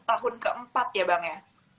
tahun keempat ya bang ya